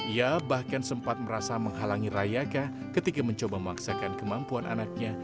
ia bahkan sempat merasa menghalangi rayaka ketika mencoba memaksakan kemampuan anaknya